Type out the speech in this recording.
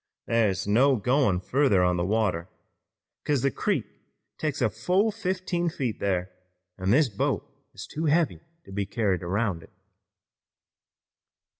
Thar's no goin' further on the water, 'cause the creek takes a fall of fifteen feet thar, an' this boat is too heavy to be carried around it."